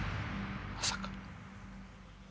まさか。